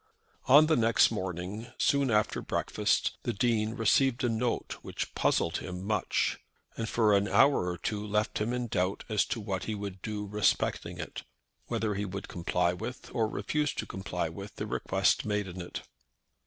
On the next morning, soon after breakfast, the Dean received a note which puzzled him much, and for an hour or two left him in doubt as to what he would do respecting it, whether he would comply with, or refuse to comply with, the request made in it.